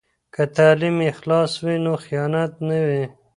که تعلیم اخلاص وي، نو خیانت نه وي.